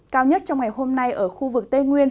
cao nhất trong ngày hôm nay ở khu vực tây nguyên